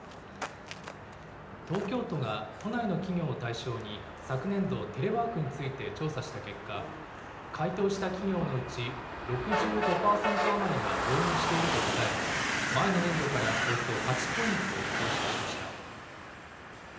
東京都が都内の企業を対象に、昨年度、テレワークについて調査した結果、回答した企業のうち６５％余りが導入していると答え、前の年度からおよそ８ポイント上昇しました。